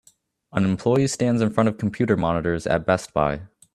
An employee stands in front of computer monitors at Best Buy